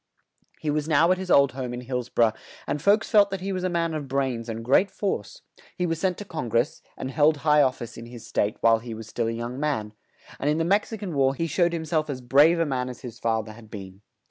He was now at his old home in Hills bor ough, and folks felt that he was a man of brains and great force; he was sent to Con gress, and held high of fice in his state while he was still a young man; and in the Mex i can War he showed him self as brave a man as his fa ther had been.